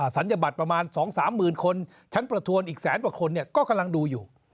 ศัลยบัตรประมาณ๒๓หมื่นคนชั้นประทวนอีกแสนกว่าคนก็กำลังดูอยู่